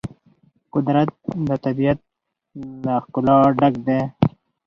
قدرت د طبیعت له ښکلا ډک دی.